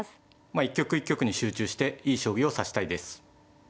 一局一局に集中していい将棋を指したいです。